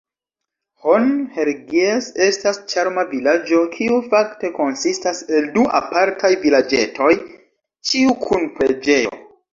Hon-Hergies estas ĉarma vilaĝo, kiu fakte konsistas el du apartaj vilaĝetoj, ĉiu kun preĝejo.